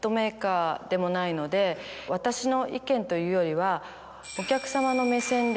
私の意見というよりは。